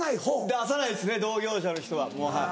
出さないですね同業者の人はもう。